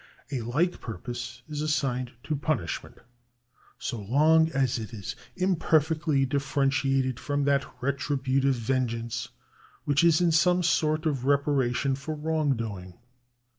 A like purpose is assigned to punishment, so long as it is imperfectly differ entiated from that retributive vengeance which is in some sort a reparation for wrongdoing.